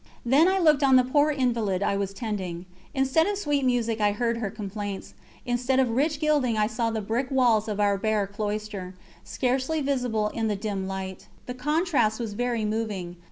Then I looked on the poor invalid I was tending. Instead of sweet music I heard her complaints, instead of rich gilding I saw the brick walls of our bare cloister, scarcely visible in the dim light. The contrast was very moving.